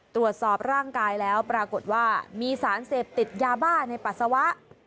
ตรวจสอบร่างกายแล้วปรากฏว่ามีสารเสพติดยาบ้าในปัสสาวะ